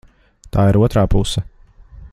Tā ir otrā puse.